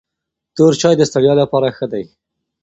تور چای د ستړیا لپاره ښه دی.